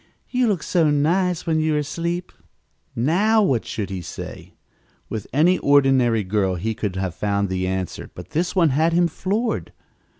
You look so nice when you are asleep." Now what should he say? With any ordinary girl he could have found the answer, but this one had him floored.